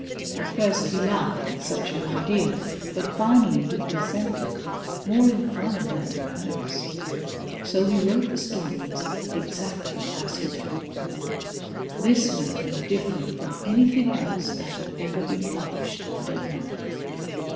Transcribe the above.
At first he laughed at such an idea, but finally he consented, more in fun than in earnest. So he wrote the stories exactly as he told them. This made them different from anything else that had ever been published in Denmark.